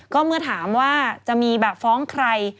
ก็เมื่อถามว่าจะมีแบบฟ้องใคร